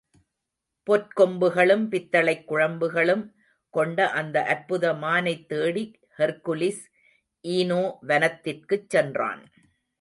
பொற்கொம்புகளும் பித்தளைக் குளம்புகளும் கொண்ட அந்த அற்புத மானைத் தேடி ஹெர்க்குலிஸ் ஈனோ வனத்திற்குச் சென்றான்.